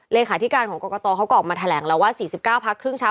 เลขาธิการของกรกตเขาก็ออกมาแถลงแล้วว่า๔๙พักครึ่งเช้า